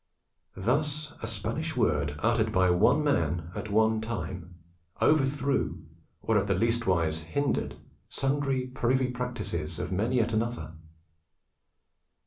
Thus a Spanish word uttered by one man at one time, overthrew, or at the leastwise hindered sundry privy practices of many at another."